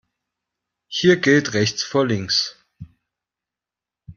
Hier gilt rechts vor links.